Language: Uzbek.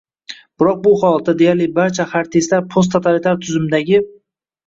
Biroq bu holatda deyarli barcha xartistlar post totalitar tuzumdagi